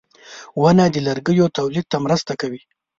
• ونه د لرګیو تولید ته مرسته کوي.